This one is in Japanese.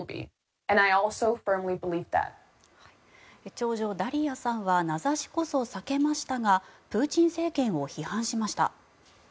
長女・ダリヤさんは名指しこそ避けましたがプーチン政権を批判しました。